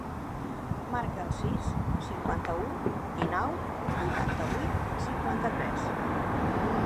Marca el sis, cinquanta-u, dinou, vuitanta-vuit, cinquanta-tres.